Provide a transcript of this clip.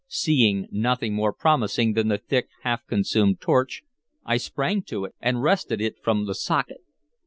Seeing nothing more promising than the thick, half consumed torch, I sprang to it and wrested it from the socket.